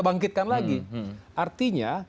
bangkitkan lagi artinya